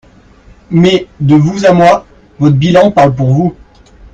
Mais, de vous à moi, votre bilan parle pour vous.